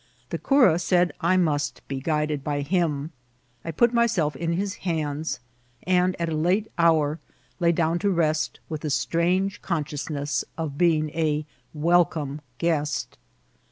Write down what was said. The cura said I must be guided by him. Iput myself in his hands, and at a late hour lay down to rest with the strange ocmsciousness of being a welcome guest.